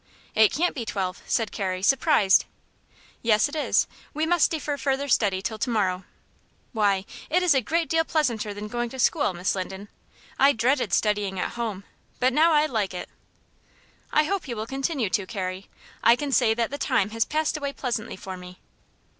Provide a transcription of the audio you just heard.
"It can't be twelve," said Carrie, surprised. "Yes, it is. We must defer further study till to morrow." "Why, it is a great deal pleasanter than going to school, Miss Linden. I dreaded studying at home, but now I like it." "I hope you will continue to, Carrie. I can say that the time has passed away pleasantly for me."